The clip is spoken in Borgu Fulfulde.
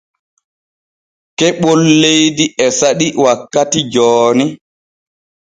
Keɓol leydi e saɗi wakkati jooni.